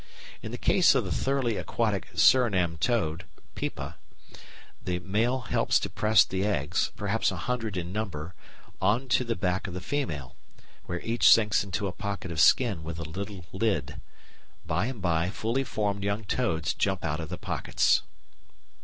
In the case of the thoroughly aquatic Surinam Toad (Pipa), the male helps to press the eggs, perhaps a hundred in number, on to the back of the female, where each sinks into a pocket of skin with a little lid. By and by fully formed young toads jump out of the pockets.